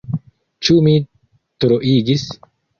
Ĉu mi troigis?